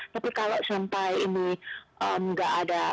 tapi kalau sampai ini nggak ada